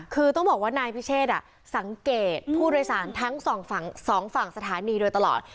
คือต้องบอกว่านายพิเชษสังเกตผู้โดยสารทั้งสองฝั่งสถานีโดยตลอด